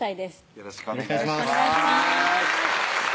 よろしくお願いします